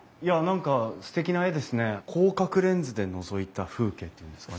広角レンズでのぞいた風景っていうんですか。